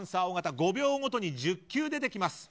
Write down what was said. ５秒ごとに１０球出てきます。